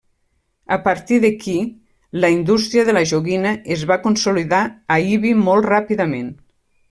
A partir d'aquí, la indústria de la joguina es va consolidar a Ibi molt ràpidament.